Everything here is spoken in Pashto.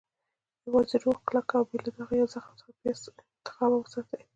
- یوازې روغ، کلک، او بې له داغه یا زخم څخه پیاز انتخاب او وساتئ.